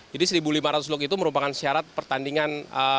jadi seribu lima ratus lux itu merupakan syarat pertandingan